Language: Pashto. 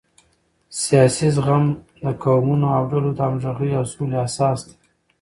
سیاسي زغم د قومونو او ډلو د همغږۍ او سولې اساس دی